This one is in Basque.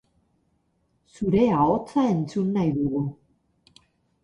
Zure ahotsa entzun nahi dugu.